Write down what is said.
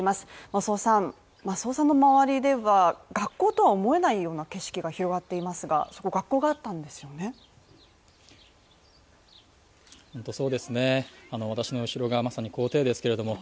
増尾さんの周りでは、学校とは思えないような景色が広がっていますが、そこ学校があったんですよね。